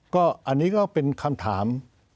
ก็อันนี้ก็เป็นคำถาม